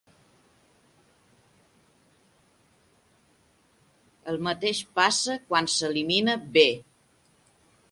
El mateix passa quan s'elimina B.